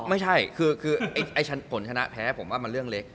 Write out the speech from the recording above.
ไม่ใช่คือไอ้ผลชนะแพ้ผมว่ามันเรื่องเล็ก